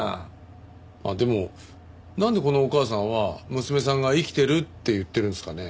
あっでもなんでこのお母さんは娘さんが生きてるって言ってるんですかね？